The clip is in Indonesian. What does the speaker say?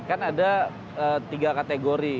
kan ada tiga kategori